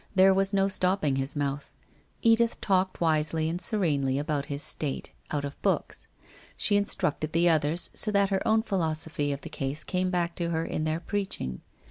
There was no stopping his mouth. Edith talked wisely and serenely about his state, out of books. She instructed the others, so that her own philosophy of the case came back to her in their preaching.